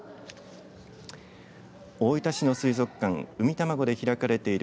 大分市の水族館うみたまごで開かれている